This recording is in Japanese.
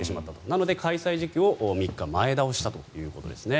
なので、開催時期を３日前倒したということですね。